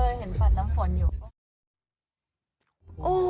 อ๋อเออเห็นปัดน้ำฝนอยู่